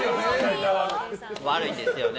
悪いですよね。